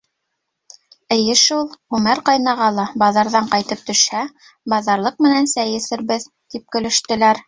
— Эйе шул, Үмәр ҡайнаға ла баҙарҙан ҡайтып төшһә, баҙарлыҡ менән сәй эсербеҙ, — тип көлөштөләр.